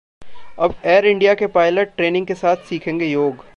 अब air India के pilot training के साथ सीखेंगे योग